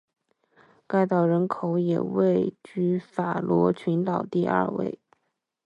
该岛人口也位居法罗群岛第二位。